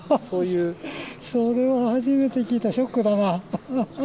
それは初めて聞いた、ショックだなあ。